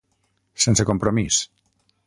Sense compromís.